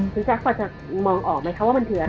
พี่แจ๊คพอจะมองออกไหมคะว่ามันคืออะไร